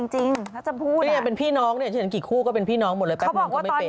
จริงเขาจะพูดอ่ะเป็นไงเป็นพี่น้องเนี่ยเสียงกี่คู่ก็เป็นพี่น้องหมดเลยแป๊บนึงก็ไม่เป็น